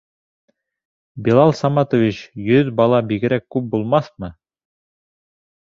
Билал Саматович, йөҙ бала бигерәк күп булмаҫмы?